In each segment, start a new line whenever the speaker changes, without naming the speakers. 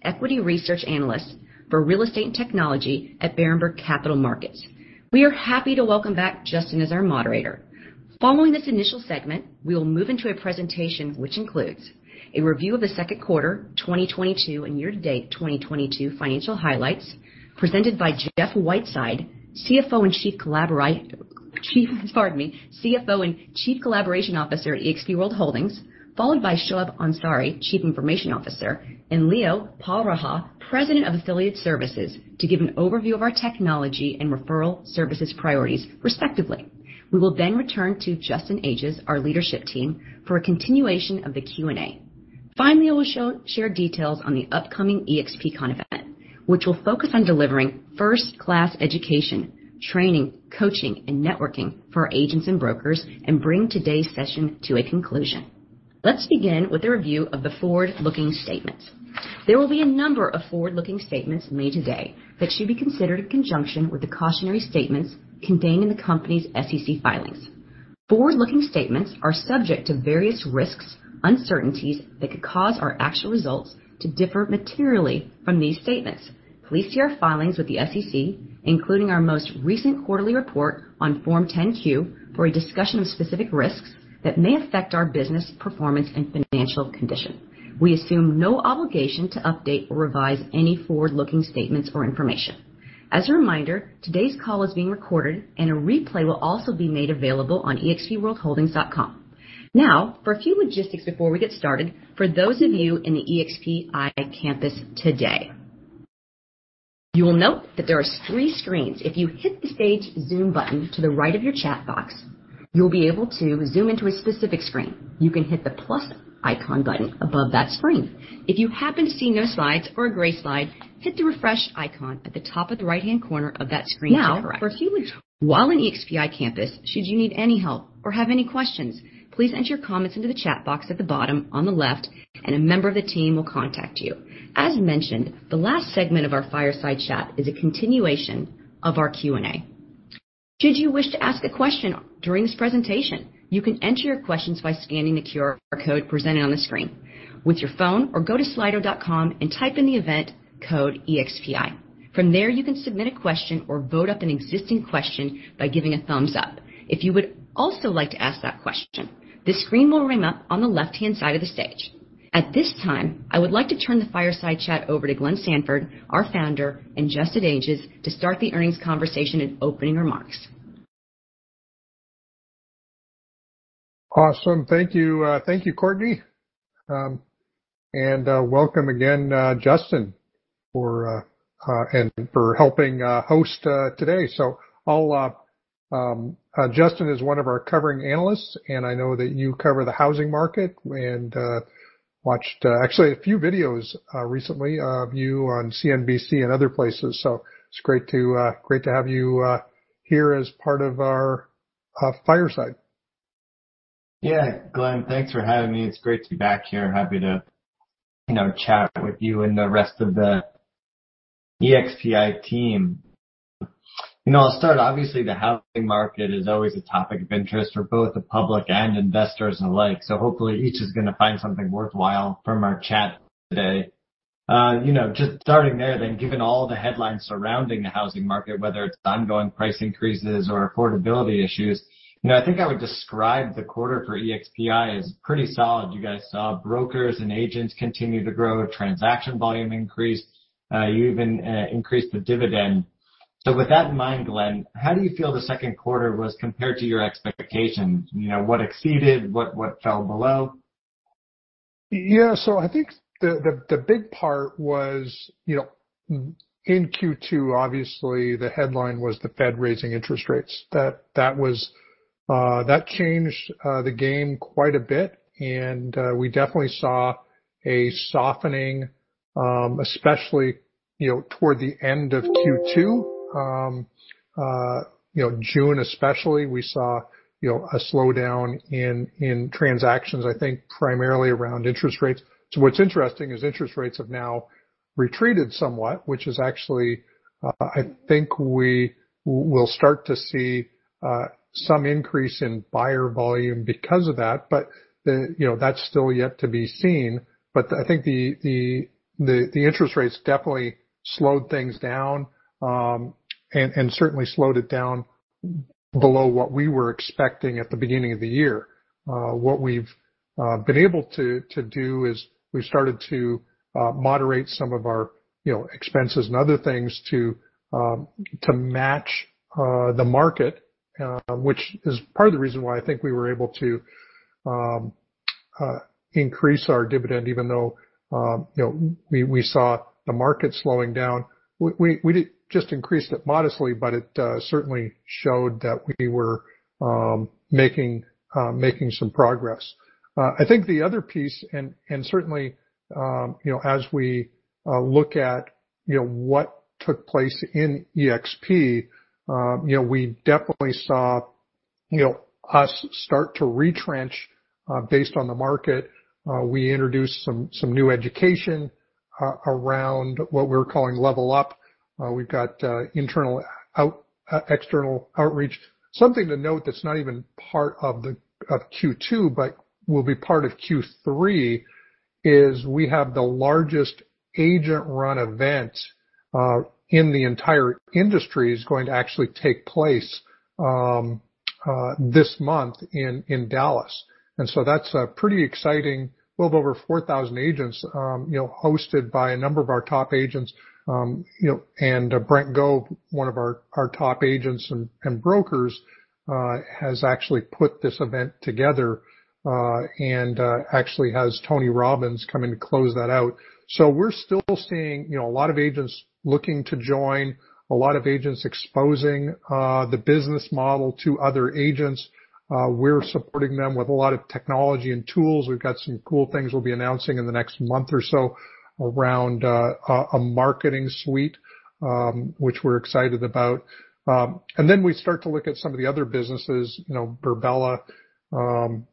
Equity research analyst for real estate and technology at Berenberg Capital Markets. We are happy to welcome back Justin as our moderator. Following this initial segment, we will move into a presentation which includes a review of the second quarter, 2022 and year to date 2022 financial highlights presented by Jeff Whiteside, CFO and Chief Collaboration Officer at eXp World Holdings, followed by Shoeb Ansari, Chief Information Officer, and Leo Pareja, President of Affiliate Services, to give an overview of our technology and referral services priorities respectively. We will then return to Justin Ages, our leadership team, for a continuation of the Q&A. Finally, we'll share details on the upcoming eXpcon event, which will focus on delivering first-class education, training, coaching, and networking for our agents and brokers and bring today's session to a conclusion. Let's begin with a review of the forward-looking statement. There will be a number of forward-looking statements made today that should be considered in conjunction with the cautionary statements contained in the company's SEC filings. Forward-looking statements are subject to various risks, uncertainties that could cause our actual results to differ materially from these statements. Please see our filings with the SEC, including our most recent quarterly report on Form 10-Q for a discussion of specific risks that may affect our business performance and financial condition. We assume no obligation to update or revise any forward-looking statements or information. As a reminder, today's call is being recorded and a replay will also be made available on expworldholdings.com. Now, for a few logistics before we get started, for those of you in the eXp Campus today. You will note that there are three screens. If you hit the stage Zoom button to the right of your chat box, you'll be able to zoom into a specific screen. You can hit the plus icon button above that screen. If you happen to see no slides or a gray slide, hit the refresh icon at the top of the right-hand corner of that screen to correct. While in eXp Campus, should you need any help or have any questions, please enter your comments into the chat box at the bottom on the left, and a member of the team will contact you. As mentioned, the last segment of our fireside chat is a continuation of our Q&A. Should you wish to ask a question during this presentation, you can enter your questions by scanning the QR code presented on the screen with your phone, or go to slido.com and type in the event code EXPI. From there, you can submit a question or vote up an existing question by giving a thumbs up. If you would also like to ask that question, this screen will bring up on the left-hand side of the stage. At this time, I would like to turn the fireside chat over to Glenn Sanford, our founder, and Justin Ages to start the earnings conversation and opening remarks.
Awesome. Thank you. Thank you, Courtney. And welcome again, Justin, for helping host today. Justin is one of our covering analysts, and I know that you cover the housing market and watched actually a few videos recently of you on CNBC and other places, so it's great to have you here as part of our fireside.
Yeah. Glenn, thanks for having me. It's great to be back here. Happy to, you know, chat with you and the rest of the EXPI team. You know, I'll start, obviously, the housing market is always a topic of interest for both the public and investors alike, so hopefully each is gonna find something worthwhile from our chat today. You know, just starting there then, given all the headlines surrounding the housing market, whether it's ongoing price increases or affordability issues, you know, I think I would describe the quarter for EXPI as pretty solid. You guys saw brokers and agents continue to grow, transaction volume increased. You even increased the dividend. With that in mind, Glenn, how do you feel the second quarter was compared to your expectations? You know, what exceeded? What fell below?
Yeah. I think the big part was, you know, in Q2, obviously the headline was the Fed raising interest rates. That was, that changed the game quite a bit. We definitely saw a softening, especially, you know, toward the end of Q2. You know, June especially, we saw, you know, a slowdown in transactions, I think primarily around interest rates. What's interesting is interest rates have now retreated somewhat, which is actually, I think we will start to see some increase in buyer volume because of that. You know, that's still yet to be seen. I think the interest rates definitely slowed things down, and certainly slowed it down below what we were expecting at the beginning of the year. What we've been able to do is we've started to moderate some of our, you know, expenses and other things to match the market, which is part of the reason why I think we were able to increase our dividend, even though, you know, we saw the market slowing down. We did just increased it modestly, but it certainly showed that we were making some progress. I think the other piece and certainly, you know, as we look at, you know, what took place in eXp, you know, we definitely saw, you know, us start to retrench based on the market. We introduced some new education around what we're calling Level Up. We've got external outreach. Something to note that's not even part of Q2 but will be part of Q3 is we have the largest agent-run event in the entire industry going to actually take place this month in Dallas. That's pretty exciting. We'll have over 4,000 agents, you know, hosted by a number of our top agents, you know. Brent Gove, one of our top agents and brokers, has actually put this event together and actually has Tony Robbins coming to close that out. We're still seeing, you know, a lot of agents looking to join, a lot of agents exposing the business model to other agents. We're supporting them with a lot of technology and tools. We've got some cool things we'll be announcing in the next month or so around a marketing suite, which we're excited about. We start to look at some of the other businesses. You know, Virbela, you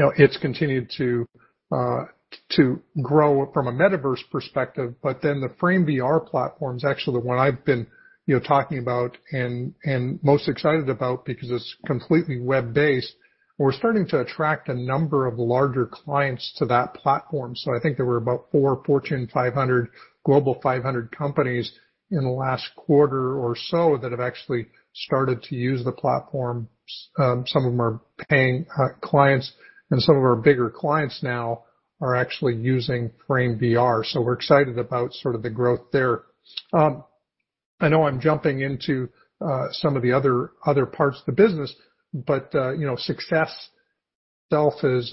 know, it's continued to grow from a metaverse perspective, but the Frame platform is actually the one I've been, you know, talking about and most excited about because it's completely web-based. We're starting to attract a number of larger clients to that platform. I think there were about four Fortune 500, global 500 companies in the last quarter or so that have actually started to use the platform. Some of them are paying clients, and some of our bigger clients now are actually using Frame. We're excited about sort of the growth there. I know I'm jumping into some of the other parts of the business, but you know, SUCCESS itself has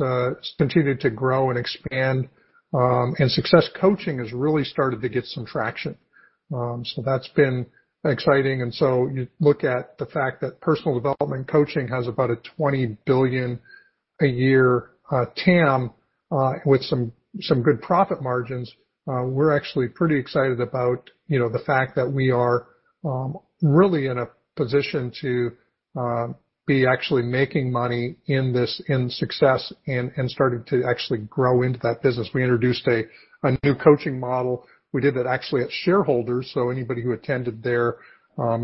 continued to grow and expand, and SUCCESS Coaching has really started to get some traction. So that's been exciting. You look at the fact that personal development coaching has about a $20 billion a year TAM with some good profit margins. We're actually pretty excited about you know, the fact that we are really in a position to be actually making money in this in SUCCESS and starting to actually grow into that business. We introduced a new coaching model. We did that actually at Shareholders, so anybody who attended there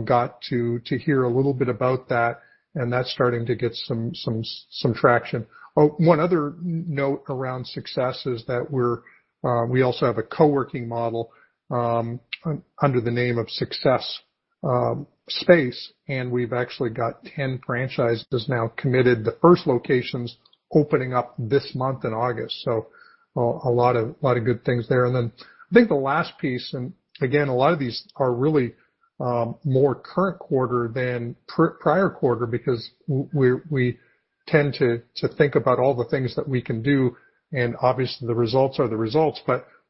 got to hear a little bit about that, and that's starting to get some traction. Oh, one other note around SUCCESS is that we also have a co-working model under the name of SUCCESS Space, and we've actually got 10 franchises now committed. The first location's opening up this month in August. A lot of good things there. Then I think the last piece, and again, a lot of these are really more current quarter than prior quarter because we tend to think about all the things that we can do, and obviously, the results are the results.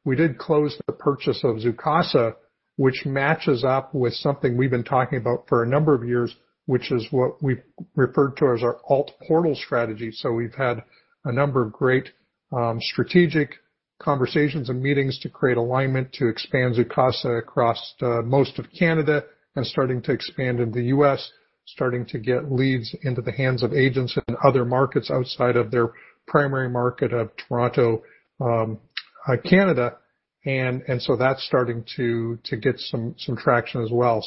We did close the purchase of Zoocasa, which matches up with something we've been talking about for a number of years, which is what we've referred to as our altportal strategy. We've had a number of great strategic conversations and meetings to create alignment to expand Zoocasa across most of Canada and starting to expand into the U.S., starting to get leads into the hands of agents in other markets outside of their primary market of Toronto, Canada. That's starting to get some traction as well.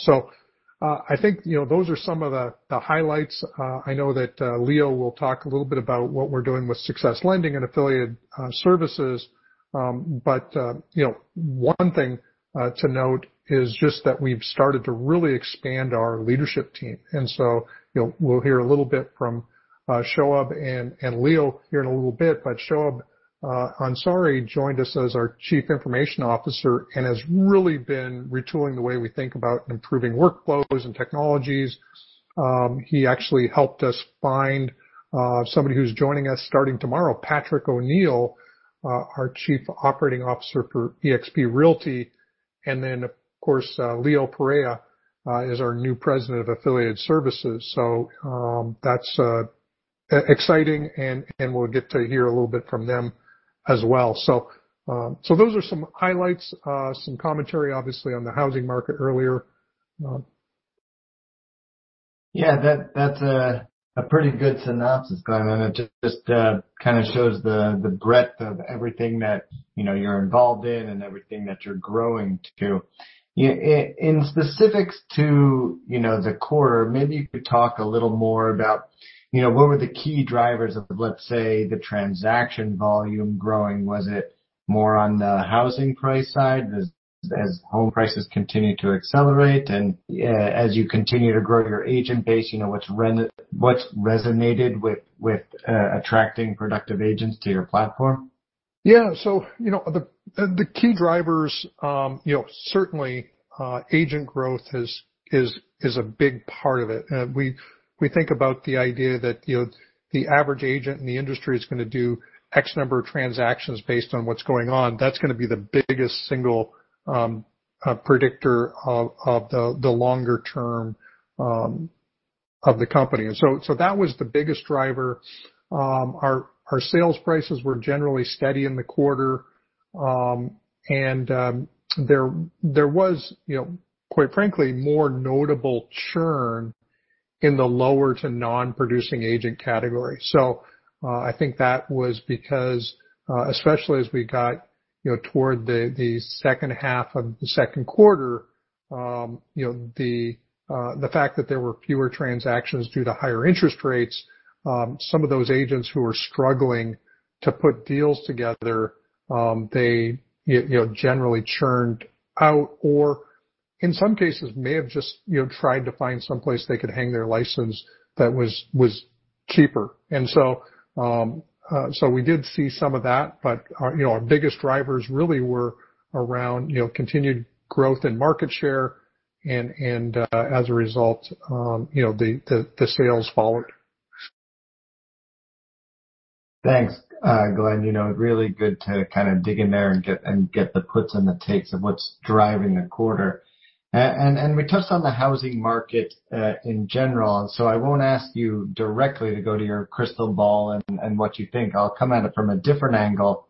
I think, you know, those are some of the highlights. I know that Leo will talk a little bit about what we're doing with SUCCESS Lending and Affiliate Services. You know, one thing to note is just that we've started to really expand our leadership team. You know, we'll hear a little bit from Shoeb and Leo here in a little bit. Shoeb Ansari joined us as our Chief Information Officer and has really been retooling the way we think about improving workflows and technologies. He actually helped us find somebody who's joining us starting tomorrow, Patrick O'Neill, our Chief Operating Officer for eXp Realty. Of course, Leo Pareja is our new President of Affiliate Services. That's exciting and we'll get to hear a little bit from them as well. Those are some highlights, some commentary obviously on the housing market earlier.
Yeah. That's a pretty good synopsis, Glenn, and it just kinda shows the breadth of everything that you know you're involved in and everything that you're growing to. In specifics to the quarter, maybe you could talk a little more about what were the key drivers of, let's say, the transaction volume growing. Was it more on the housing price side as home prices continue to accelerate? As you continue to grow your agent base, you know, what's resonated with attracting productive agents to your platform?
Yeah. You know, the key drivers, you know, certainly, agent growth is a big part of it. We think about the idea that, you know, the average agent in the industry is gonna do X number of transactions based on what's going on. That's gonna be the biggest single predictor of the longer term of the company. That was the biggest driver. Our sales prices were generally steady in the quarter. There was, you know, quite frankly, more notable churn in the lower to non-producing agent category. I think that was because, especially as we got, you know, toward the second half of the second quarter, you know, the fact that there were fewer transactions due to higher interest rates, some of those agents who are struggling to put deals together, they you know generally churned out or in some cases may have just, you know, tried to find someplace they could hang their license that was cheaper. We did see some of that, but our, you know, our biggest drivers really were around, you know, continued growth and market share and, as a result, you know, the sales followed.
Thanks, Glenn. You know, really good to kind of dig in there and get the puts and the takes of what's driving the quarter. We touched on the housing market in general, so I won't ask you directly to go to your crystal ball and what you think. I'll come at it from a different angle.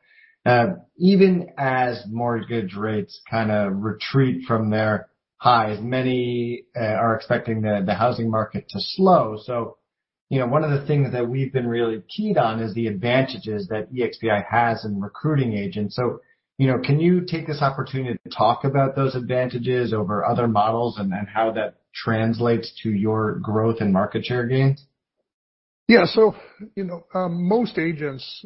Even as mortgage rates kinda retreat from their highs, many are expecting the housing market to slow. You know, one of the things that we've been really keen on is the advantages that EXPI has in recruiting agents. You know, can you take this opportunity to talk about those advantages over other models and how that translates to your growth and market share gains?
Yeah. You know, most agents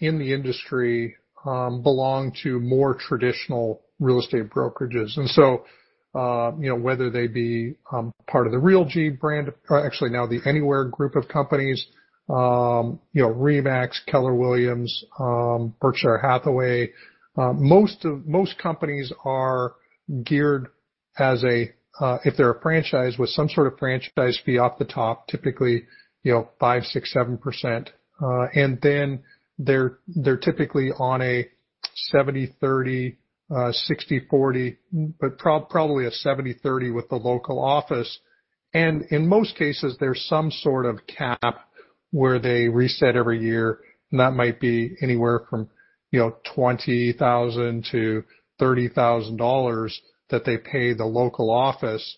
in the industry belong to more traditional real estate brokerages. You know, whether they be part of the Realogy brand, or actually now the Anywhere Group of Companies, you know, RE/MAX, Keller Williams, Berkshire Hathaway, most companies are geared as a if they're a franchise with some sort of franchise fee off the top, typically, you know, 5%, 6%, 7%, and then they're typically on a 70/30, 60/40, but probably a 70/30 with the local office. In most cases, there's some sort of cap where they reset every year, and that might be anywhere from, you know, $20,000-$30,000 that they pay the local office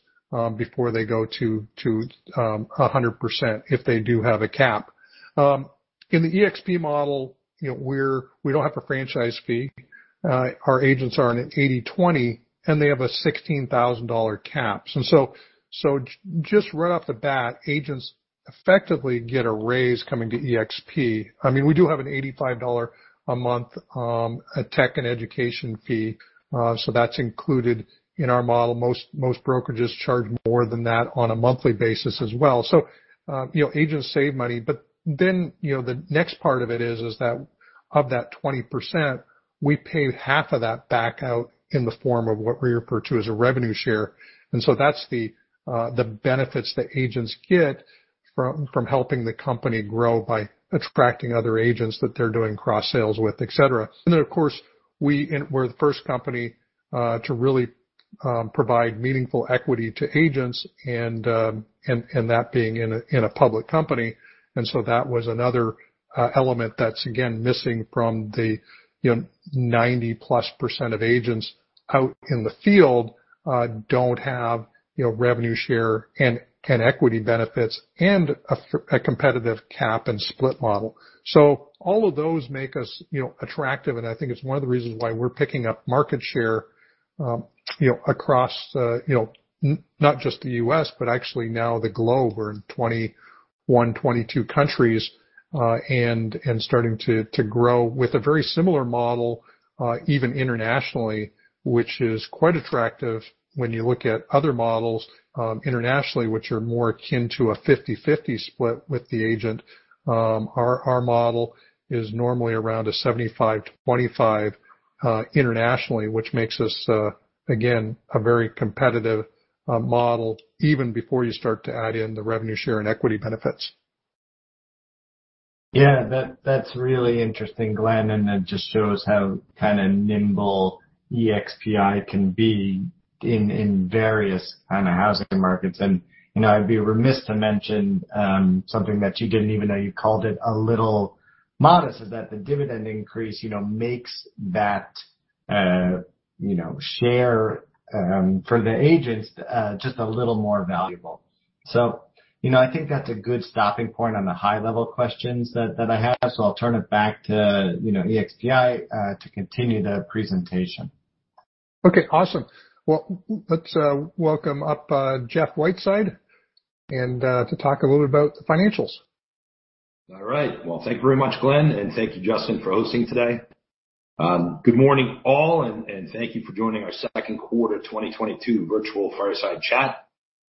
before they go to 100% if they do have a cap. In the eXp model, you know, we don't have a franchise fee. Our agents are on an 80/20, and they have a $16,000 cap. Just right off the bat, agents effectively get a raise coming to eXp. I mean, we do have a $85 a month tech and education fee, so that's included in our model. Most brokerages charge more than that on a monthly basis as well. You know, agents save money, but then, you know, the next part of it is that of that 20%, we pay half of that back out in the form of what we refer to as a revenue share. That's the benefits that agents get from helping the company grow by attracting other agents that they're doing cross sales with, et cetera. Of course, we're the first company to really provide meaningful equity to agents and that being in a public company. That was another element that's again missing from you know 90%+ of agents out in the field don't have you know revenue share and equity benefits and a competitive cap and split model. All of those make us you know attractive, and I think it's one of the reasons why we're picking up market share you know across you know not just the U.S., but actually now the globe. We're in 21-22 countries and starting to grow with a very similar model even internationally, which is quite attractive when you look at other models internationally, which are more akin to a 50/50 split with the agent. Our model is normally around a 75/25 internationally, which makes us again a very competitive model even before you start to add in the revenue share and equity benefits.
Yeah. That's really interesting, Glenn, and it just shows how kinda nimble EXPI can be in various kinda housing markets. You know, I'd be remiss to mention something that you didn't even know you called it a little modest, is that the dividend increase, you know, makes that share for the agents just a little more valuable. You know, I think that's a good stopping point on the high level questions that I have. I'll turn it back to, you know, EXPI to continue the presentation.
Okay, awesome. Well, let's welcome up Jeff Whiteside to talk a little bit about the financials.
All right. Well, thank you very much, Glenn, and thank you, Justin, for hosting today. Good morning all and thank you for joining our second quarter 2022 virtual fireside chat.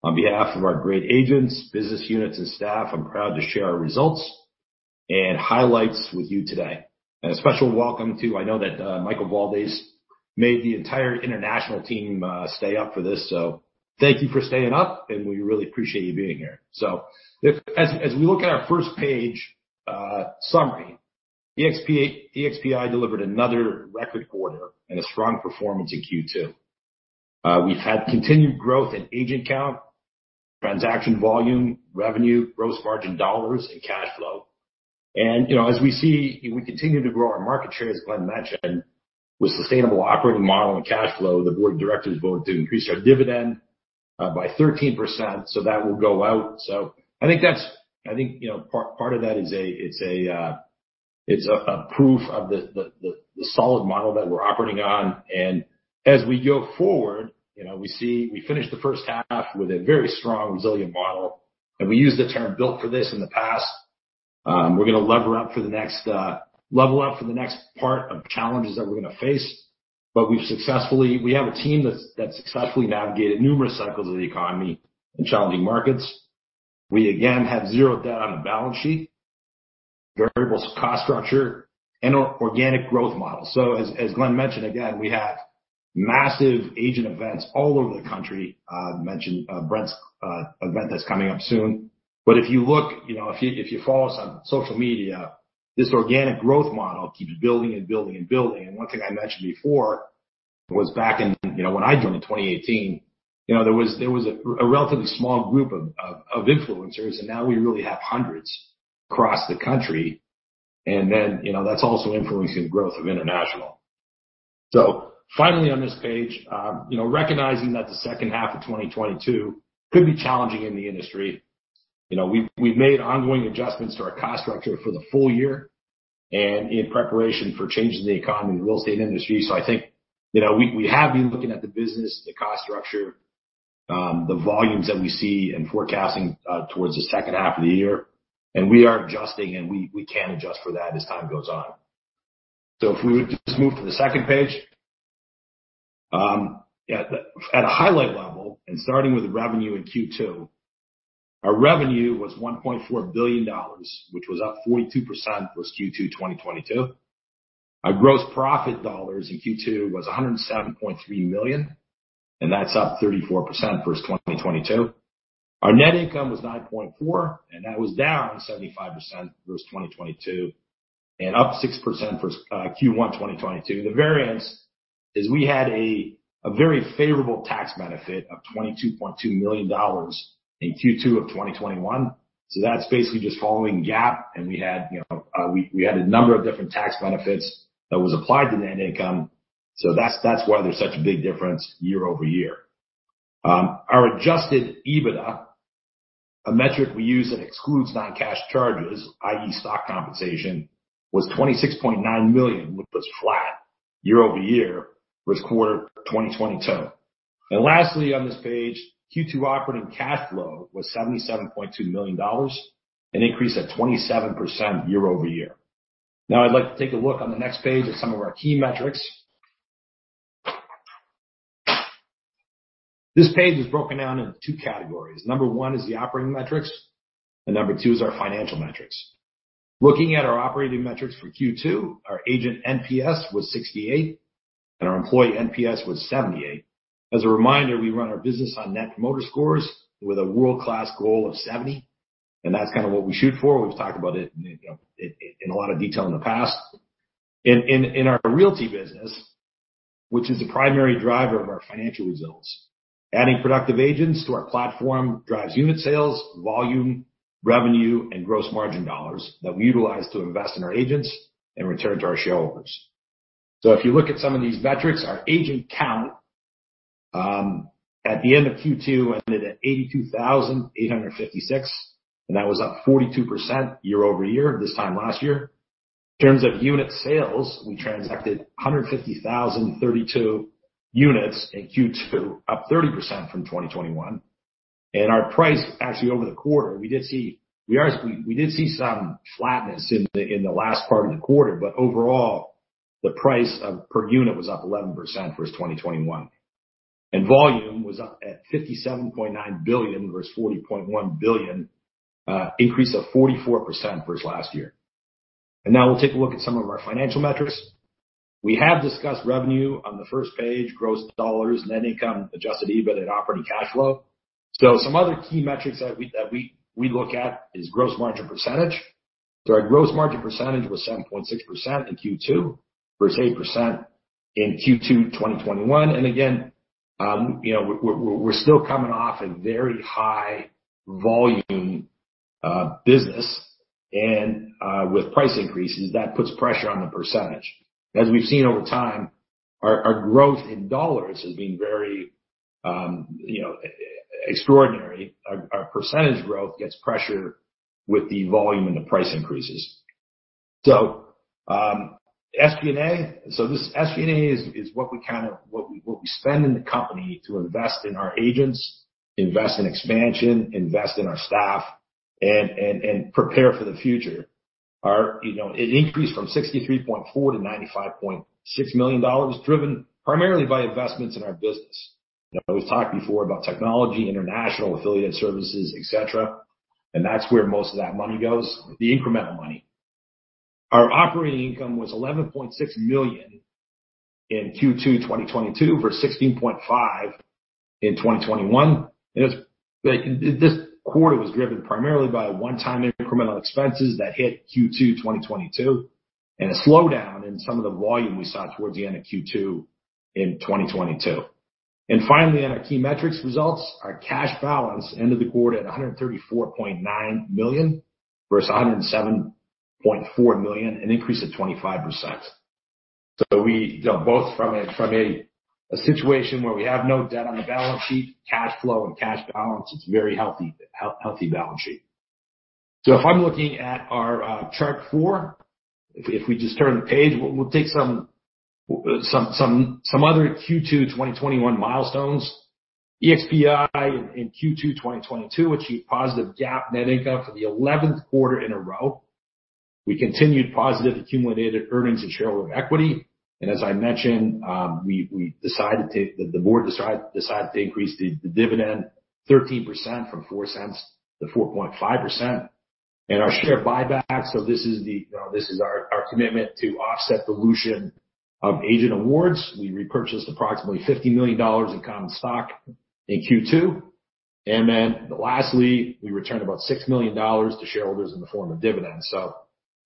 On behalf of our great agents, business units, and staff, I'm proud to share our results and highlights with you today. A special welcome to, I know that Michael Valdes made the entire international team stay up for this, so thank you for staying up, and we really appreciate you being here. As we look at our first page, summary, eXp, EXPI delivered another record quarter and a strong performance in Q2. We've had continued growth in agent count, transaction volume, revenue, gross margin dollars, and cash flow. You know, as we see, we continue to grow our market share, as Glenn mentioned, with sustainable operating model and cash flow. The board of directors vote to increase our dividend by 13%, so that will go out. I think that's, you know, part of that is it's a proof of the solid model that we're operating on. As we go forward, you know, we see we finished the first half with a very strong, resilient model, and we use the term built for this in the past. We're gonna lever up for the next level up for the next part of challenges that we're gonna face. We have a team that's successfully navigated numerous cycles of the economy in challenging markets. We again have zero debt on the balance sheet, variable cost structure and our organic growth model. As Glenn mentioned again, we have massive agent events all over the country. Mentioned Brent's event that's coming up soon. If you look, you know, if you follow us on social media, this organic growth model keeps building and building and building. One thing I mentioned before was back in, you know, when I joined in 2018, you know, there was a relatively small group of influencers, and now we really have hundreds across the country. Then, you know, that's also influencing growth of international. Finally on this page, you know, recognizing that the second half of 2022 could be challenging in the industry. You know, we've made ongoing adjustments to our cost structure for the full year and in preparation for changes in the economy and real estate industry. I think, you know, we have been looking at the business, the cost structure, the volumes that we see in forecasting, towards the second half of the year, and we are adjusting and we can adjust for that as time goes on. If we would just move to the second page. At a highlight level and starting with revenue in Q2, our revenue was $1.4 billion, which was up 42% versus Q2 2022. Our gross profit dollars in Q2 was $107.3 million, and that's up 34% versus 2022. Our net income was $9.4 million, and that was down 75% versus 2022 and up 6% versus Q1 2022. The variance is we had a very favorable tax benefit of $22.2 million in Q2 of 2021. That's basically just following GAAP. We had a number of different tax benefits that was applied to net income. That's why there's such a big difference year-over-year. Our adjusted EBITDA, a metric we use that excludes non-cash charges, i.e. stock compensation, was $26.9 million which was flat year-over-year versus Q2 2022. Lastly, on this page, Q2 operating cash flow was $77.2 million, an increase of 27% year-over-year. Now I'd like to take a look on the next page at some of our key metrics. This page is broken down into two categories. One is the operating metrics, and two is our financial metrics. Looking at our operating metrics for Q2, our agent NPS was 68 and our employee NPS was 78. As a reminder, we run our business on net promoter scores with a world-class goal of 70, and that's kind of what we shoot for. We've talked about it, you know, in a lot of detail in the past. In our realty business, which is the primary driver of our financial results, adding productive agents to our platform drives unit sales, volume, revenue, and gross margin dollars that we utilize to invest in our agents and return to our shareholders. If you look at some of these metrics, our agent count at the end of Q2 ended at 82,856, and that was up 42% year-over-year this time last year. In terms of unit sales, we transacted 150,032 units in Q2, up 30% from 2021. Our price actually over the quarter, we did see some flatness in the last part of the quarter, but overall, the price per unit was up 11% versus 2021. Volume was up at $57.9 billion versus $40.1 billion, increase of 44% versus last year. Now we'll take a look at some of our financial metrics. We have discussed revenue on the first page, gross dollars, net income, adjusted EBITDA and operating cash flow. Some other key metrics that we look at is gross margin percentage. Our gross margin percentage was 7.6% in Q2 versus 8% in Q2 2021. Again, you know, we're still coming off a very high volume business and with price increases, that puts pressure on the percentage. As we've seen over time, our growth in dollars has been very, you know, extraordinary. Our percentage growth gets pressure with the volume and the price increases. SG&A. This SG&A is what we kind of spend in the company to invest in our agents, invest in expansion, invest in our staff and prepare for the future. You know, it increased from $63.4 million to $95.6 million, driven primarily by investments in our business. You know, we've talked before about technology, international, affiliate services, et cetera, and that's where most of that money goes, the incremental money. Our operating income was $11.6 million in Q2 2022 from $16.5 million in 2021. This quarter was driven primarily by one-time incremental expenses that hit Q2 2022 and a slowdown in some of the volume we saw towards the end of Q2 in 2022. Finally, on our key metrics results, our cash balance ended the quarter at $134.9 million versus $107.4 million, an increase of 25%. We, you know, both from a situation where we have no debt on the balance sheet, cash flow and cash balance. It's very healthy balance sheet. If I'm looking at our chart four, if we just turn the page, we'll take some other Q2 2021 milestones. EXPI in Q2 2022 achieved positive GAAP net income for the 11th quarter in a row. We continued positive accumulated earnings in shareholder equity. As I mentioned, the board decided to increase the dividend 13% from $0.04 to $0.045. Our share buyback, this is our commitment to offset dilution of agent awards. We repurchased approximately $50 million in common stock in Q2. Then lastly, we returned about $6 million to shareholders in the form of dividends.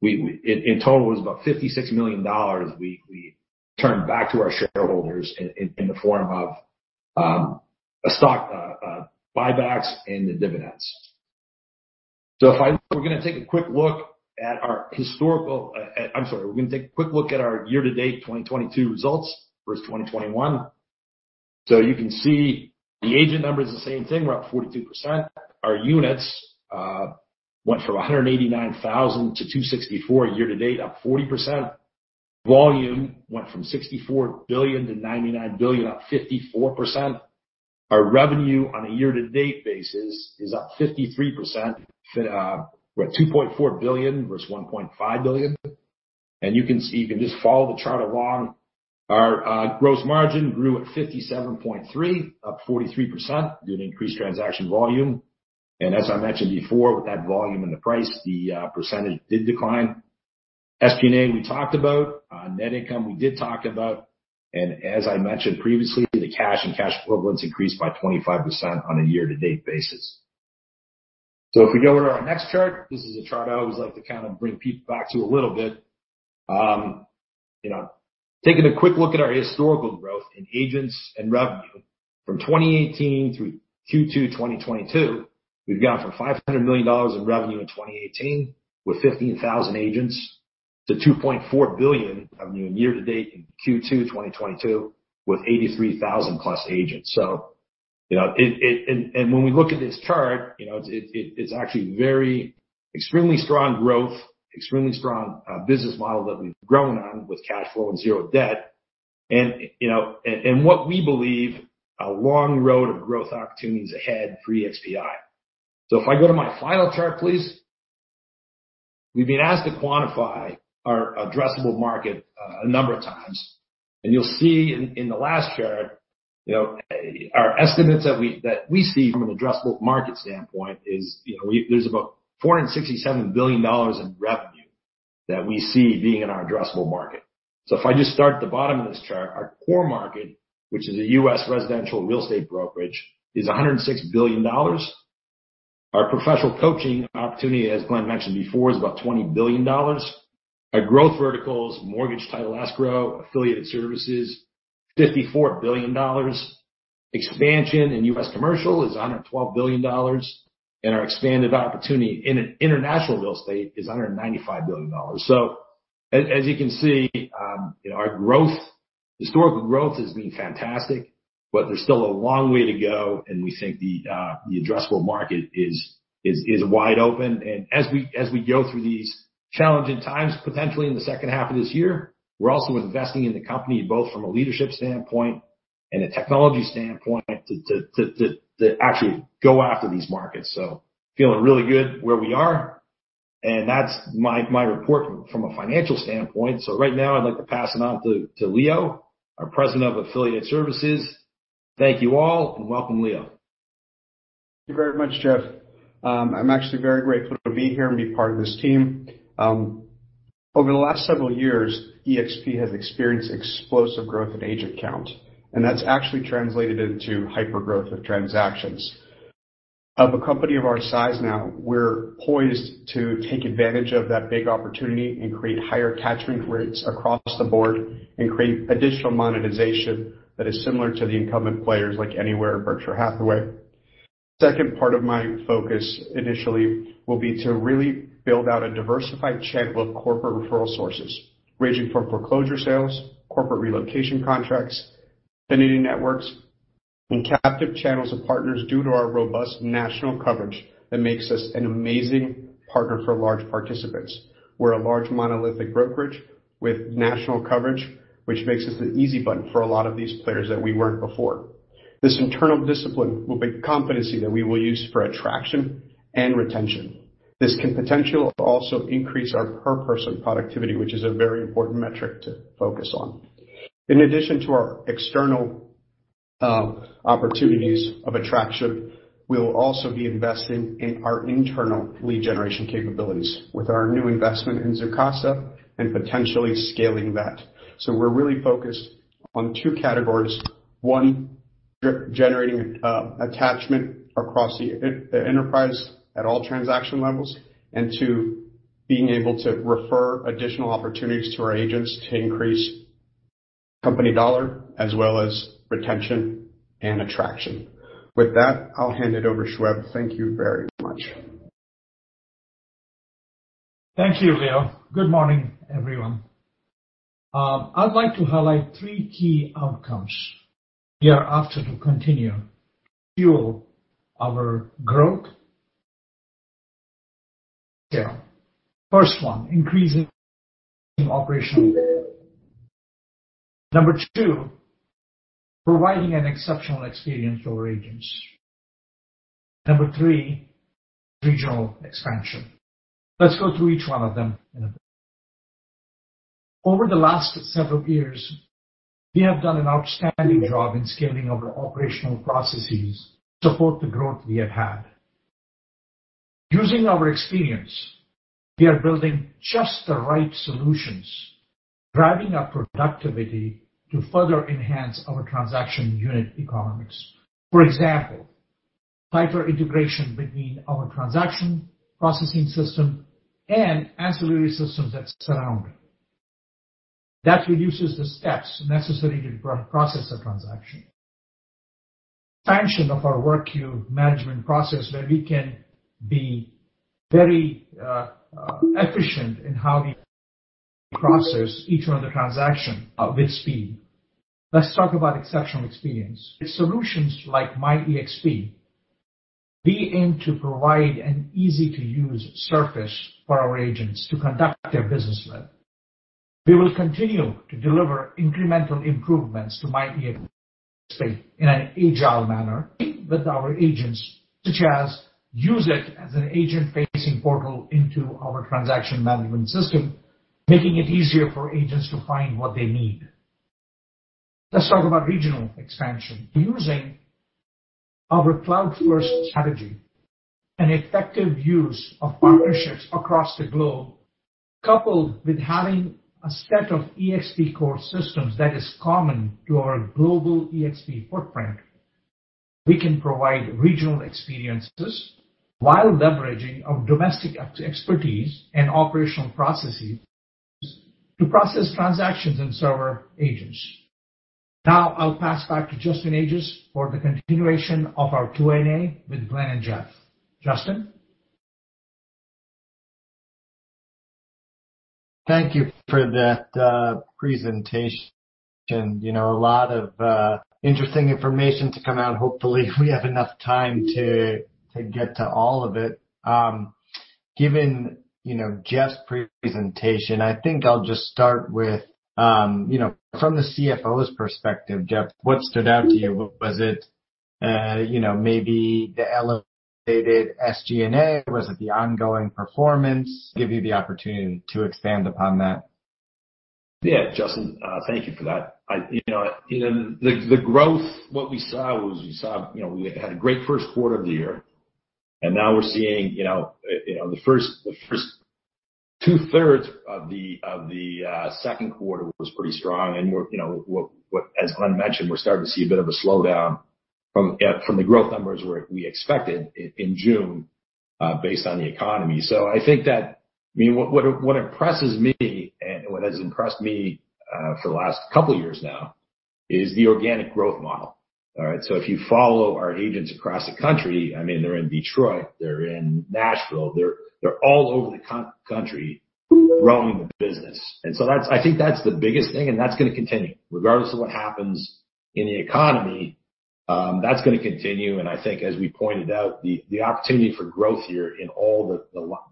In total, it was about $56 million we returned back to our shareholders in the form of stock buybacks and the dividends. We're gonna take a quick look at our year-to-date 2022 results versus 2021. You can see the agent number is the same thing, we're up 42%. Our units went from 189,000 to 264,000 year-to-date, up 40%. Volume went from $64 billion to $99 billion, up 54%. Our revenue on a year-to-date basis is up 53%. We're at $2.4 billion versus $1.5 billion. You can see, you can just follow the chart along. Our gross margin grew at $57.3 million, up 43%, due to increased transaction volume. As I mentioned before, with that volume and the price, the percentage did decline. SG&A, we talked about. Net income, we did talk about. As I mentioned previously, the cash and cash equivalents increased by 25% on a year-to-date basis. If we go to our next chart, this is a chart I always like to kind of bring back to a little bit. You know, taking a quick look at our historical growth in agents and revenue from 2018 through Q2 2022, we've gone from $500 million in revenue in 2018 with 15,000 agents to $2.4 billion, I mean, year-to-date in Q2 2022 with 83,000+ agents. When we look at this chart, you know, it's actually very extremely strong growth, extremely strong business model that we've grown on with cash flow and zero debt, and what we believe a long road of growth opportunities ahead for EXPI. If I go to my final chart, please. We've been asked to quantify our addressable market a number of times, and you'll see in the last chart, you know, our estimates that we see from an addressable market standpoint, you know, there's about $467 billion in revenue that we see being in our addressable market. If I just start at the bottom of this chart, our core market, which is a U.S. residential real estate brokerage, is $106 billion. Our professional coaching opportunity, as Glenn mentioned before, is about $20 billion. Our growth verticals, mortgage, title, escrow, affiliate services, $54 billion. Expansion in U.S. commercial is $112 billion. Our expanded opportunity in an international real estate is $195 billion. As you can see, our growth, historical growth has been fantastic, but there's still a long way to go, and we think the addressable market is wide open. As we go through these challenging times, potentially in the second half of this year, we're also investing in the company both from a leadership standpoint and a technology standpoint to actually go after these markets. Feeling really good where we are. That's my report from a financial standpoint. Right now I'd like to pass it on to Leo, our President of Affiliate Services. Thank you all, and welcome, Leo.
Thank you very much, Jeff. I'm actually very grateful to be here and be part of this team. Over the last several years, eXp has experienced explosive growth in agent count, and that's actually translated into hyper-growth of transactions. Of a company of our size now, we're poised to take advantage of that big opportunity and create higher catchment rates across the board and create additional monetization that is similar to the incumbent players like Anywhere and Berkshire Hathaway. Second part of my focus initially will be to really build out a diversified channel of corporate referral sources, ranging from foreclosure sales, corporate relocation contracts, affinity networks, and captive channels of partners due to our robust national coverage that makes us an amazing partner for large participants. We're a large monolithic brokerage with national coverage, which makes us an easy button for a lot of these players that we weren't before. This internal discipline will be competency that we will use for attraction and retention. This can potentially also increase our per person productivity, which is a very important metric to focus on. In addition to our external opportunities of attraction, we'll also be investing in our internal lead generation capabilities with our new investment in Zoocasa and potentially scaling that. We're really focused on two categories. One, generating attachment across the enterprise at all transaction levels. Two, being able to refer additional opportunities to our agents to increase company dollar as well as retention and attraction. With that, I'll hand it over to Shoeb. Thank you very much.
Thank you, Leo. Good morning, everyone. I'd like to highlight three key outcomes we are after to continue to fuel our growth here. First one, increasing operational. Number two, providing an exceptional experience to our agents. Number three, regional expansion. Let's go through each one of them. Over the last several years, we have done an outstanding job in scaling our operational processes to support the growth we have had. Using our experience, we are building just the right solutions, driving up productivity to further enhance our transaction unit economics. For example, tighter integration between our transaction processing system and ancillary systems that surround it. That reduces the steps necessary to process a transaction. Expansion of our work queue management process, where we can be very efficient in how we process each one of the transaction with speed. Let's talk about exceptional experience. With solutions like My eXp, we aim to provide an easy-to-use interface for our agents to conduct their business with. We will continue to deliver incremental improvements to My eXp in an agile manner with our agents, such as using it as an agent-facing portal into our transaction management system, making it easier for agents to find what they need. Let's talk about regional expansion. Using our cloud-first strategy and effective use of partnerships across the globe, coupled with having a set of eXp core systems that is common to our global eXp footprint, we can provide regional experiences while leveraging our domestic expertise and operational processes to process transactions and serve agents. Now I'll pass back to Justin Ages for the continuation of our Q&A with Glenn and Jeff. Justin?
Thank you for that presentation. You know, a lot of interesting information to come out. Hopefully, we have enough time to get to all of it. Given, you know, Jeff's presentation, I think I'll just start with, you know, from the CFO's perspective, Jeff, what stood out to you? Was it, you know, maybe the elevated SG&A? Was it the ongoing performance? Give you the opportunity to expand upon that.
Yeah. Justin, thank you for that. I, you know, the growth, what we saw was, we saw, you know, we had a great first quarter of the year, and now we're seeing, you know, the first two-thirds of the second quarter was pretty strong. We're, you know, as Glenn mentioned, we're starting to see a bit of a slowdown from the growth numbers we expected in June, based on the economy. I think that, I mean, what impresses me and what has impressed me for the last couple of years now is the organic growth model. All right. If you follow our agents across the country, I mean, they're in Detroit, they're in Nashville, they're all over the country growing the business. That's the biggest thing, and that's gonna continue. Regardless of what happens in the economy, that's gonna continue. I think as we pointed out, the opportunity for growth here in all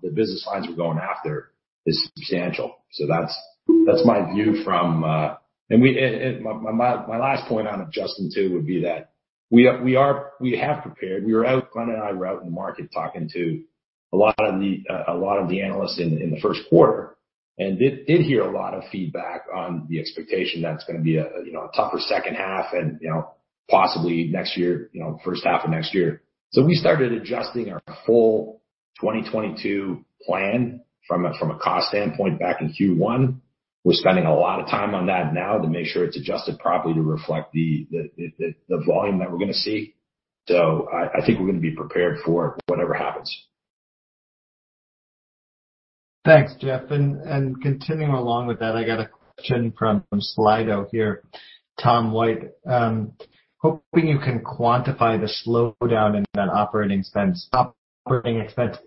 the business lines we're going after is substantial. That's my view from. My last point on it, Justin, too, would be that we have prepared. Glenn and I were out in the market talking to a lot of the analysts in the first quarter, and did hear a lot of feedback on the expectation that it's gonna be a you know, a tougher second half and, you know, possibly next year, you know, first half of next year. We started adjusting our full 2022 plan from a cost standpoint back in Q1. We're spending a lot of time on that now to make sure it's adjusted properly to reflect the volume that we're gonna see. I think we're gonna be prepared for whatever happens.
Thanks, Jeff. Continuing along with that, I got a question from Slido here. Tom White. Hoping you can quantify the slowdown in that operating expense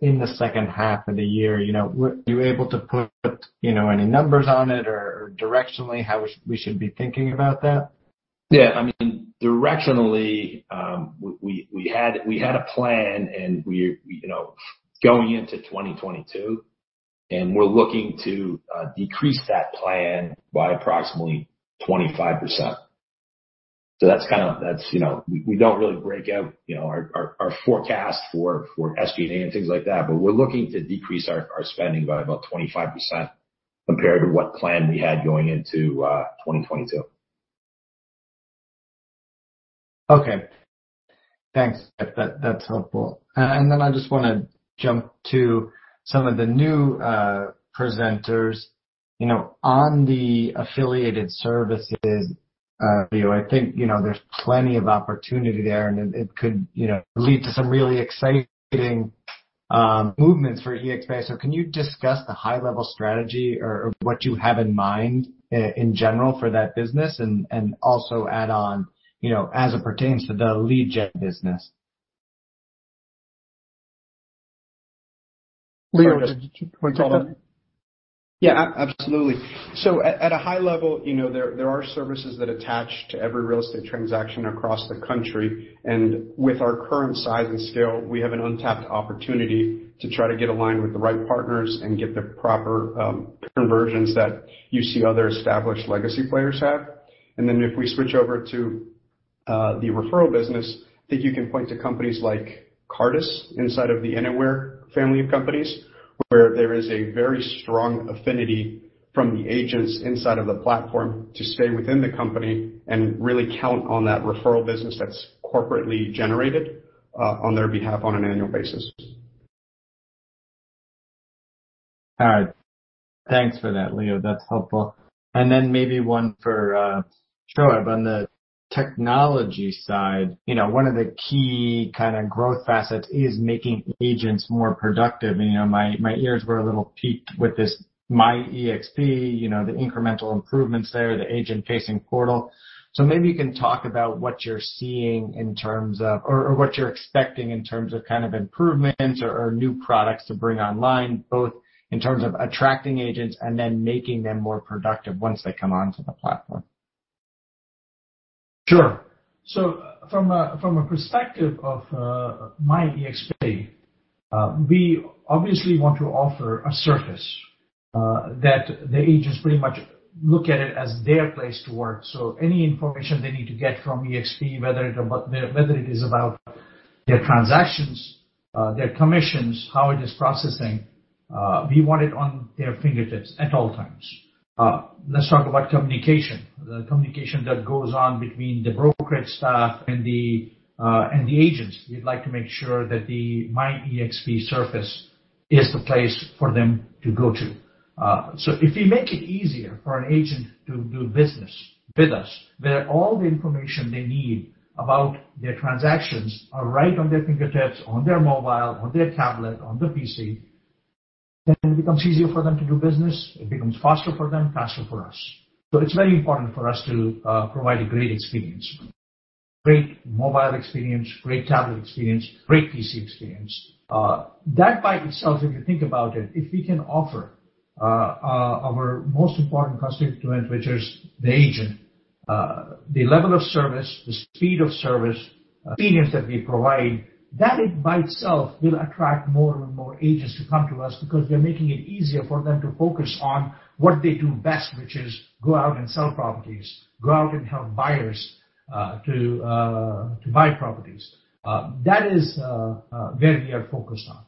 in the second half of the year. You know, were you able to put, you know, any numbers on it or directionally how we should be thinking about that?
Yeah. I mean, directionally, we had a plan, and we're, you know, going into 2022, and we're looking to decrease that plan by approximately 25%. That's kinda, you know, we don't really break out our forecast for SG&A and things like that, but we're looking to decrease our spending by about 25% compared to what plan we had going into 2022.
Okay. Thanks, Jeff. That's helpful. Then I just want to jump to some of the new presenters. You know, on the affiliated services view, I think, you know, there's plenty of opportunity there, and it could, you know, lead to some really exciting movements for EXPI. Can you discuss the high level strategy or what you have in mind in general for that business and also add on, you know, as it pertains to the lead gen business?
Leo.
Sorry.
Want to take that? Absolutely. At a high level, you know, there are services that attach to every real estate transaction across the country. With our current size and scale, we have an untapped opportunity to try to get aligned with the right partners and get the proper conversions that you see other established legacy players have. If we switch over to the referral business, I think you can point to companies like Cartus inside of the Anywhere family of companies, where there is a very strong affinity from the agents inside of the platform to stay within the company and really count on that referral business that's corporately generated on their behalf on an annual basis.
All right. Thanks for that, Leo. That's helpful. Then maybe one for Shoeb. On the technology side, you know, one of the key kind of growth facets is making agents more productive. You know, my ears were a little piqued with this My eXp, you know, the incremental improvements there, the agent-facing portal. So maybe you can talk about what you're seeing in terms of or what you're expecting in terms of kind of improvements or new products to bring online, both in terms of attracting agents and then making them more productive once they come onto the platform.
Sure. From a perspective of My eXp, we obviously want to offer a service that the agents pretty much look at it as their place to work. Any information they need to get from eXp, whether it is about their transactions, their commissions, how it is processing, we want it at their fingertips at all times. Let's talk about communication. The communication that goes on between the brokerage staff and the agents. We'd like to make sure that the My eXp interface is the place for them to go to. If we make it easier for an agent to do business with us, where all the information they need about their transactions are right on their fingertips, on their mobile, on their tablet, on the PC, then it becomes easier for them to do business. It becomes faster for them, faster for us. It's very important for us to provide a great experience, great mobile experience, great tablet experience, great PC experience. That by itself, if you think about it, if we can offer our most important constituent, which is the agent, the level of service, the speed of service, experience that we provide, that in and by itself will attract more and more agents to come to us because we are making it easier for them to focus on what they do best, which is go out and sell properties, go out and help buyers to buy properties. That is where we are focused on.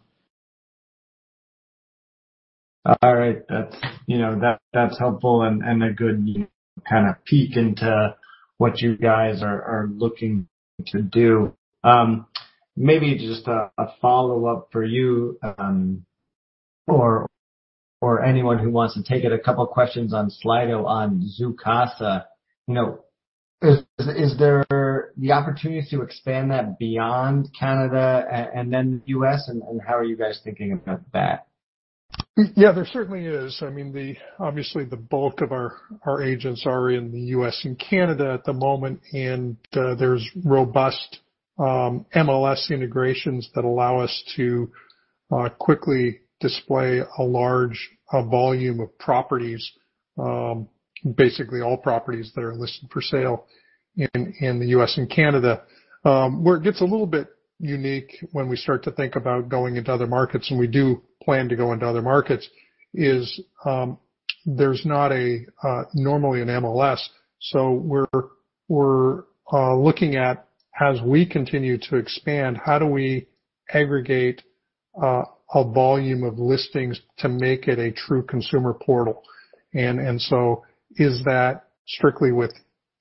All right. That's, you know, that's helpful and a good kind of peek into what you guys are looking to do. Maybe just a follow-up for you, or anyone who wants to take it. A couple questions on Slido on Zoocasa. Is there the opportunity to expand that beyond Canada and then U.S., and how are you guys thinking about that?
Yeah, there certainly is. I mean, obviously the bulk of our agents are in the U.S. and Canada at the moment, and there's robust MLS integrations that allow us to quickly display a large volume of properties, basically all properties that are listed for sale in the U.S. and Canada. Where it gets a little bit unique when we start to think about going into other markets, and we do plan to go into other markets, is there's not normally an MLS. We're looking at as we continue to expand, how do we aggregate a volume of listings to make it a true consumer portal? Is that strictly with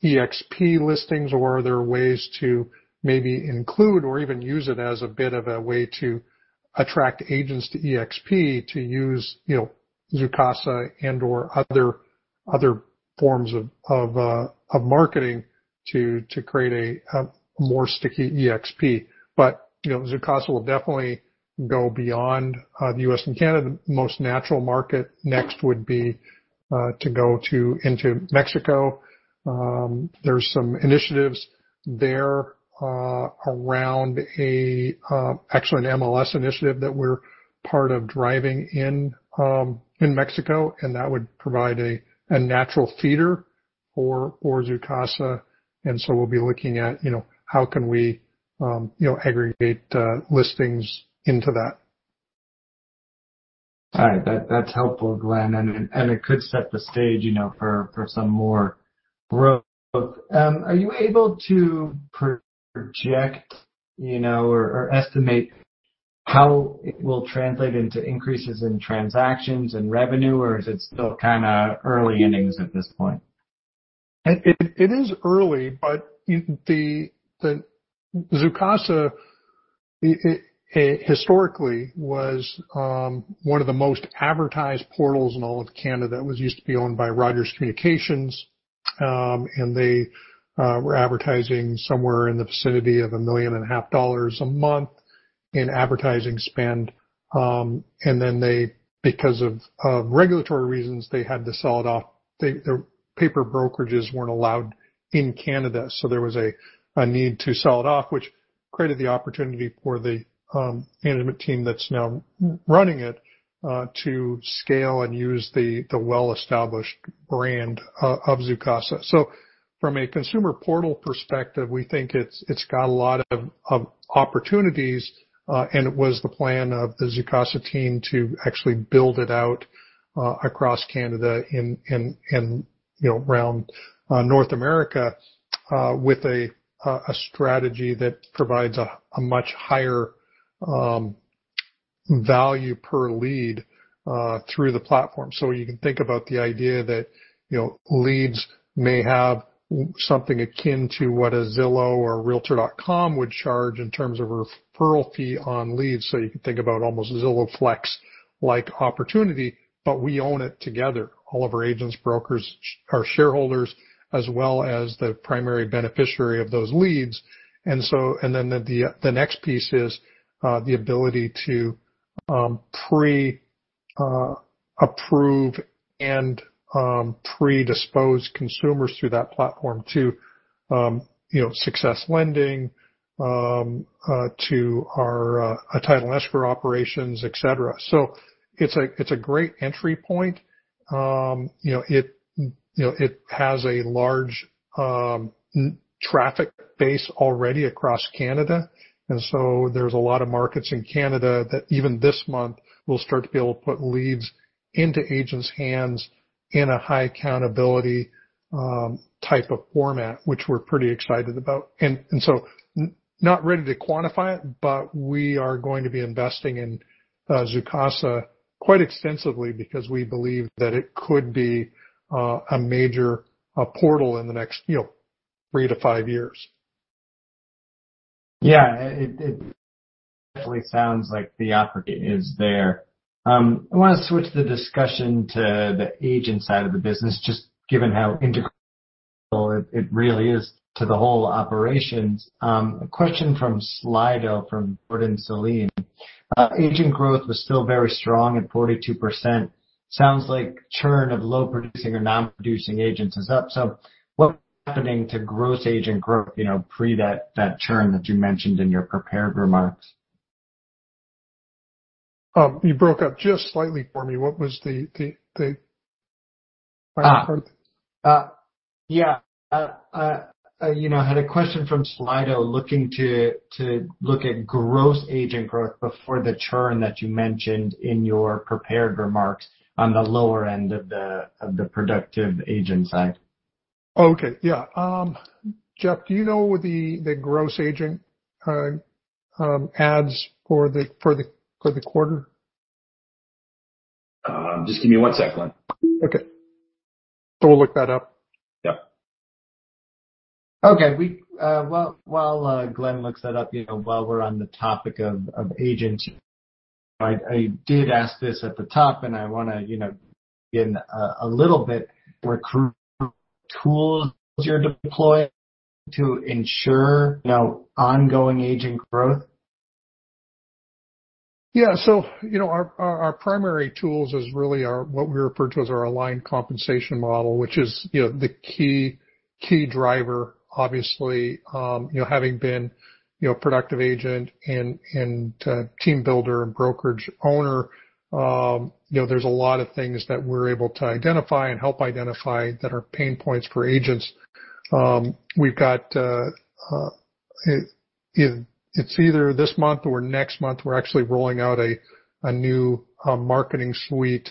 eXp listings or are there ways to maybe include or even use it as a bit of a way to attract agents to eXp to use, you know, Zoocasa and/or other forms of marketing to create a more sticky eXp? You know, Zoocasa will definitely go beyond the U.S. and Canada. Most natural market next would be to go into Mexico. There's some initiatives there around actually an MLS initiative that we're part of driving in Mexico, and that would provide a natural feeder for Zoocasa. We'll be looking at, you know, how can we, you know, aggregate listings into that.
All right. That's helpful, Glenn. It could set the stage, you know, for some more growth. Are you able to project, you know, or estimate how it will translate into increases in transactions and revenue, or is it still kinda early innings at this point?
It is early, but the Zoocasa historically was one of the most advertised portals in all of Canada. It was used to be owned by Rogers Communications, and they were advertising somewhere in the vicinity of 1.5 million a month in advertising spend. Because of regulatory reasons, they had to sell it off. Their paper brokerages weren't allowed in Canada, so there was a need to sell it off, which created the opportunity for the incumbent team that's now running it to scale and use the well-established brand of Zoocasa. From a consumer portal perspective, we think it's got a lot of opportunities, and it was the plan of the Zoocasa team to actually build it out across Canada in you know around North America with a strategy that provides a much higher value per lead through the platform. You can think about the idea that you know leads may have something akin to what a Zillow or Realtor.com would charge in terms of a referral fee on leads. You can think about almost Zillow Flex like opportunity, but we own it together. All of our agents, brokers are shareholders as well as the primary beneficiary of those leads. The next piece is the ability to pre-approve and predispose consumers through that platform to, you know, SUCCESS Lending, to our title escrow operations, etc. It's a great entry point. You know, it has a large net traffic base already across Canada, and so there's a lot of markets in Canada that even this month will start to be able to put leads into agents' hands in a high accountability type of format, which we're pretty excited about. Not ready to quantify it, but we are going to be investing in Zoocasa quite extensively because we believe that it could be a major portal in the next, you know, three to five years.
Yeah. It definitely sounds like the opportunity is there. I wanna switch the discussion to the agent side of the business, just given how integral it really is to the whole operations. A question from Slido, from Gordon Selene. Agent growth was still very strong at 42%. Sounds like churn of low producing or non-producing agents is up. What's happening to gross agent growth, you know, pre that churn that you mentioned in your prepared remarks?
You broke up just slightly for me. What was the final part?
Yeah, you know, had a question from Slido looking to look at gross agent growth before the churn that you mentioned in your prepared remarks on the lower end of the productive agent side.
Okay. Yeah. Jeff, do you know the gross agent adds for the quarter?
Just give me one sec, Glenn.
Okay. We'll look that up.
Yeah.
Okay. While Glenn looks that up, you know, while we're on the topic of agents, I did ask this at the top, and I wanna, you know, get in a little bit recruit tools you're deploying to ensure, you know, ongoing agent growth.
Yeah. You know, our primary tools is really our what we refer to as our aligned compensation model, which is, you know, the key driver. Obviously, you know, having been, you know, productive agent and team builder and brokerage owner, you know, there's a lot of things that we're able to identify and help identify that are pain points for agents. We've got, it's either this month or next month, we're actually rolling out a new marketing suite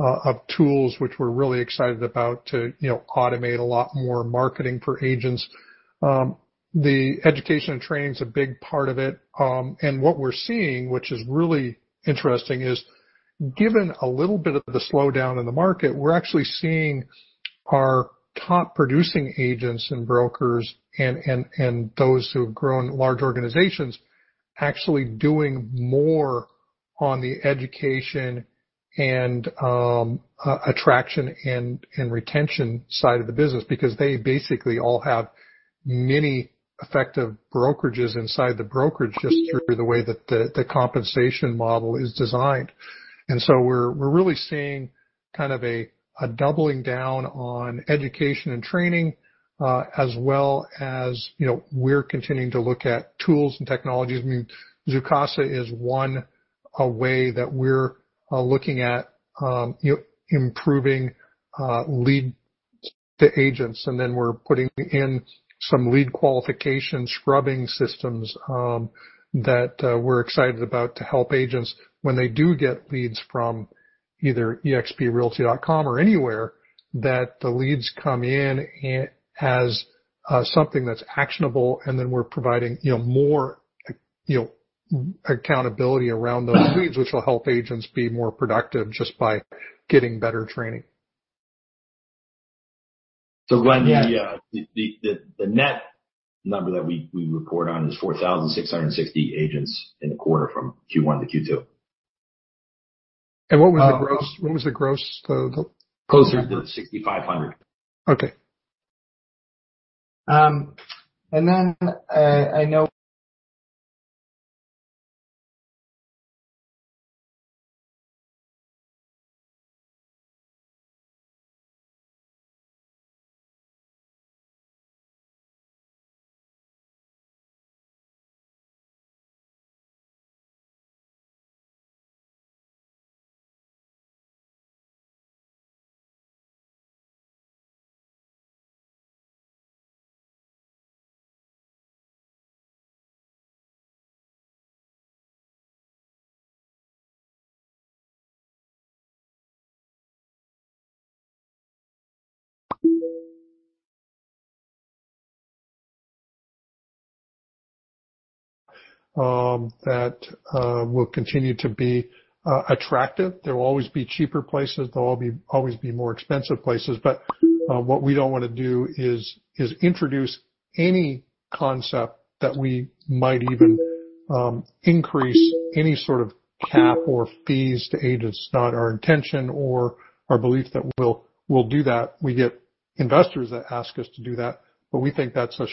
of tools which we're really excited about to, you know, automate a lot more marketing for agents. The education and training is a big part of it. What we're seeing, which is really interesting, is given a little bit of the slowdown in the market, we're actually seeing our top producing agents and brokers and those who have grown large organizations actually doing more on the education and attraction and retention side of the business because they basically all have many effective brokerages inside the brokerage just through the way that the compensation model is designed. We're really seeing a doubling down on education and training, as well as, you know, we're continuing to look at tools and technologies. I mean, Zoocasa is one, a way that we're looking at, you know, improving leads to agents, and then we're putting in some lead qualification scrubbing systems, that we're excited about to help agents when they do get leads from either exprealty.com or anywhere that the leads come in as something that's actionable and then we're providing, you know, more, you know, accountability around those leads, which will help agents be more productive just by getting better training.
Glenn, the net number that we report on is 4,600 agents in the quarter from Q1 to Q2.
What was the gross?
Closer to 6,500.
Okay. I know that will continue to be attractive. There will always be cheaper places. There will always be more expensive places. What we don't wanna do is introduce any concept that we might even increase any sort of cap or fees to agents. It's not our intention or our belief that we'll do that. We get investors that ask us to do that, but we think that's a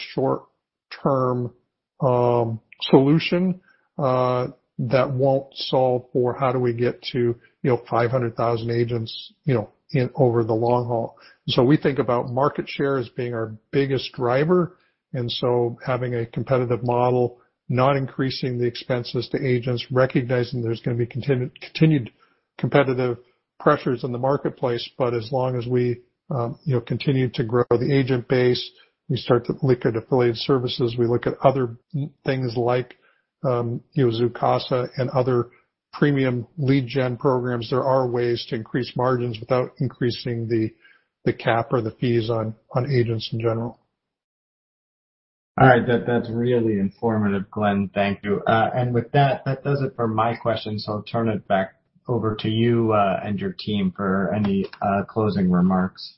short-term solution that won't solve for how do we get to 500,000 agents, you know, over the long haul. We think about market share as being our biggest driver, and having a competitive model, not increasing the expenses to agents, recognizing there's gonna be continued competitive pressures in the marketplace. As long as we, you know, continue to grow the agent base, we start to look at affiliate services. We look at other things like, you know, Zoocasa and other premium lead gen programs. There are ways to increase margins without increasing the cap or the fees on agents in general.
All right. That's really informative, Glenn. Thank you. With that does it for my questions. I'll turn it back over to you, and your team for any closing remarks.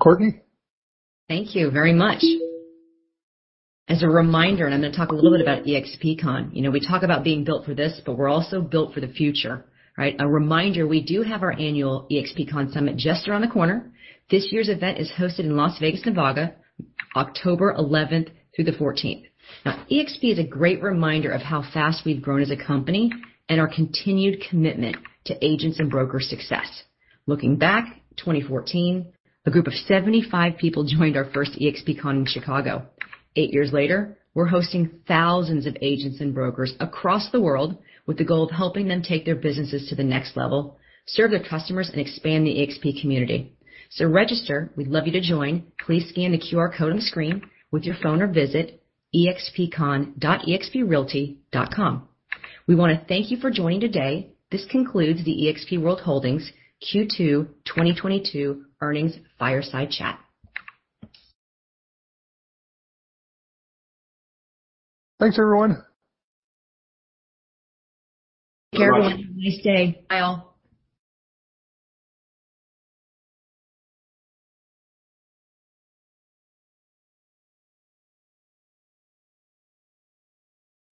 Courtney.
Thank you very much. As a reminder, I'm gonna talk a little bit about the eXpcon. You know, we talk about being built for this, but we're also built for the future, right? A reminder, we do have our annual eXpcon summit just around the corner. This year's event is hosted in Las Vegas, Nevada, October 11th through the 14th. Now, eXp is a great reminder of how fast we've grown as a company and our continued commitment to agents and brokers' success. Looking back, 2014, a group of 75 people joined our first eXpcon in Chicago. Eight years later, we're hosting thousands of agents and brokers across the world with the goal of helping them take their businesses to the next level, serve their customers, and expand the eXp community. Register. We'd love you to join. Please scan the QR code on the screen with your phone or visit expcon.exprealty.com. We wanna thank you for joining today. This concludes the eXp World Holdings Q2 2022 earnings fireside chat.
Thanks, everyone.
Take care, everyone. Have a nice day. Bye all.